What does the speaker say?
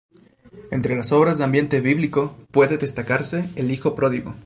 Entre las obras de ambiente bíblico, puede destacarse "El hijo pródigo.